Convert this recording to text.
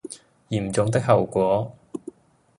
嚴重的後果